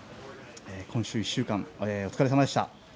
今週１週間お疲れ様でした。